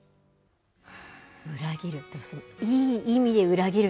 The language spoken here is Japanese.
裏切る。